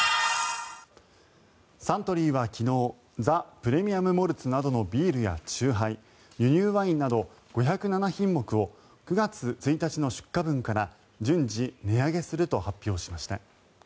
サントリーは昨日ザ・プレミアム・モルツなどのビールや酎ハイ輸入ワインなど５０７品目を９月１日の出荷分から順次値上げすると発表しました。